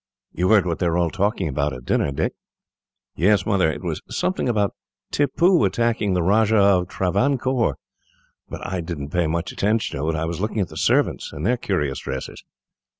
"You heard what they were all talking about, at dinner, Dick?" "Yes, Mother, it was something about Tippoo attacking the Rajah of Travancore, but I did not pay much attention to it. I was looking at the servants, in their curious dresses."